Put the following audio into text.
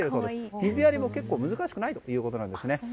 水やりも難しくないということなんですね。